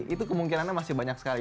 itu kemungkinannya masih banyak sekali